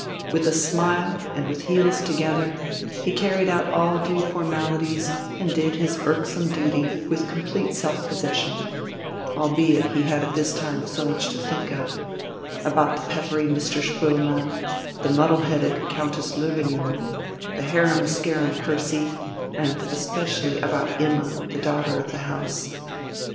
With a smile, and with heels together, he carried out all due formalities and did his irksome duty with complete self possession, albeit he had at this time so much to think of about the peppery Mr. Spoelmann, the muddle headed Countess Löwenjoul, the harum scarum Percy, and especially about Imma, the daughter of the house.